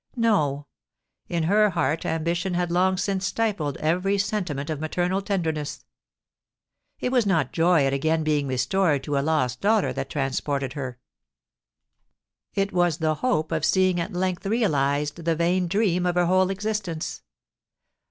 No! In her heart ambition had long since stifled every sentiment of maternal tenderness. It was not joy at again being restored to a lost daughter that transported her, it was the hope of seeing at length realised the vain dream of her whole existence.